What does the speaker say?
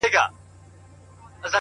• او سارنګ څه وايي ,